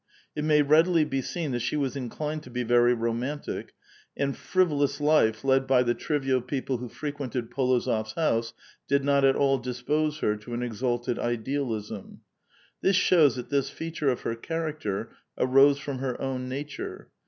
It may readily be seen that she was inclined to be very romantic, and fiivolous life led by the trivial people who frequented P61ozof*s house did not at all dispose her to an exalted idealism. This shows that this feature of her character arose from her own nature.